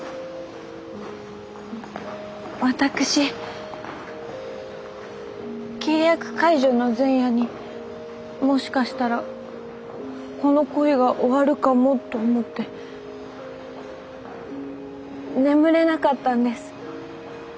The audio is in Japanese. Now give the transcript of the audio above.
私契約解除の前夜にもしかしたらこの恋が終わるかもと思って眠れなかったんです。